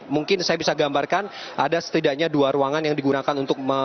mungkin saya bisa gambarkan ada setidaknya dua ruangan yang digunakan untuk